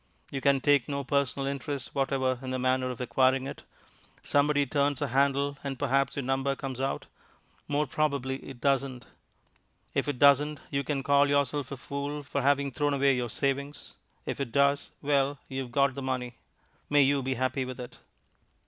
You can take no personal interest whatever in the manner of acquiring it. Somebody turns a handle, and perhaps your number comes out. More probably it doesn't. If it doesn't, you can call yourself a fool for having thrown away your savings; if it does well, you have got the money. May you be happy with it!